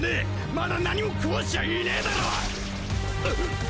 まだ何も壊せちゃいねぇだろ！